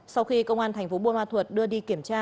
sau khi công an thành phố buôn ma thuột đưa đi kiểm tra